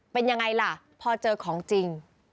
เป็นยังไงล่ะพอเจอของจริง